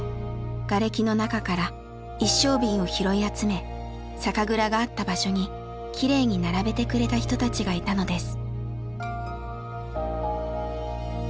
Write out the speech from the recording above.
ガレキの中から一升瓶を拾い集め酒蔵があった場所にきれいに並べてくれた人たちがいたのです。